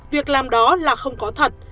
việc làm đó là không có thật